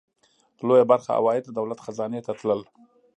لویه برخه عواید د دولت خزانې ته تلل.